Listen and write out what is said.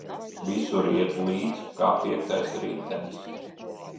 Visur iet līdz kā piektais ritenis.